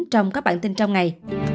trong các bản tin trong ngày